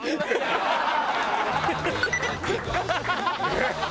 えっ！